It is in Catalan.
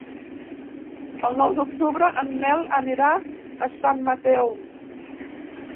El nou d'octubre en Nel anirà a Sant Mateu.